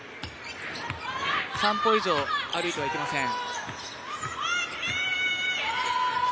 ３歩以上歩いてはいけません。